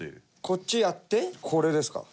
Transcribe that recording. こっちやってこれですか？